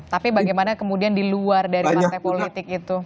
tapi bagaimana kemudian di luar dari partai politik itu